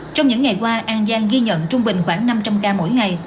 trong những ngày qua an giang ghi nhận trung bình khoảng năm trăm linh ca mỗi ngày